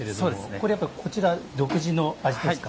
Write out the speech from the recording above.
これはやっぱりこちら独自の味ですか。